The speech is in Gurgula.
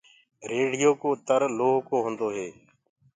ريڙهيو ڪوُ تر لوه ڪو هوندو هي۔